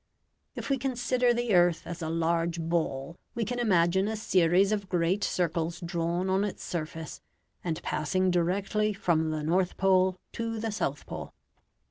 If we consider the earth as a large ball we can imagine a series of great circles drawn on its surface and passing directly from the North Pole to the South Pole.